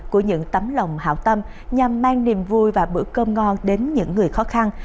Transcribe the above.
của những tấm lòng hảo tâm nhằm mang niềm vui và bữa cơm ngon đến những người khó khăn